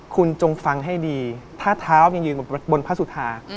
คุณจงฟังให้ดีถ้าเท้ายังยืนบนพระสุธา